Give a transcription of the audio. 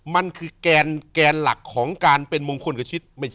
มันคือแกนหลักของการเป็นมงคลกับชีวิต